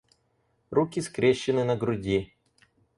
Руки скрещены на груди